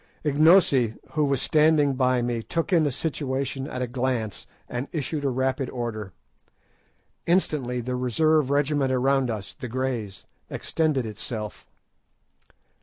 Ignosi, who was standing by me, took in the situation at a glance, and issued a rapid order. Instantly the reserve regiment around us, the Greys, extended itself.